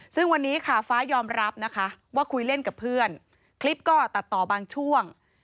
ซึ่งวันนี้ค่ะฟ้ายอมรับนะคะว่าคุยเล่นกับเพื่อนคลิปก็ตัดต่อบางช่วง